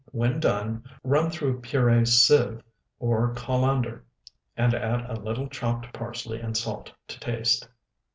When done, run through puree sieve or colander, and add a little chopped parsley and salt to taste.